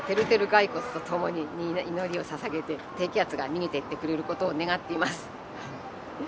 ガイコツと共に祈りをささげて、低気圧が逃げていってくれることを願っています。